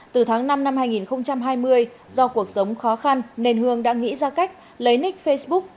từ tháng năm năm hai nghìn hai mươi do cuộc sống khó khăn nên hương đã nghĩ ra cách lấy nick facebook